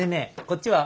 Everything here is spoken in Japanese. こっちは？